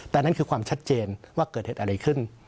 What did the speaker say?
แต่นั่นคือความชัดเจนว่าเกิดเหตุอะไรขึ้น